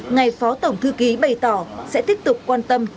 ngày phó tổng thư ký bày tỏ sẽ tiếp tục quan tâm